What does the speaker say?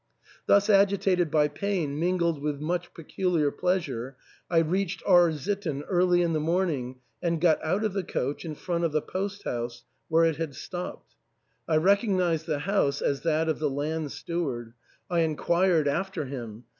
Thus agitated by pain mingled with much peculiar pleasure, I reached R — sitten early in the morning and got out of the coach in front of the post house, where it had stopped. I recognised the house as that of the land steward ; I inquired after him.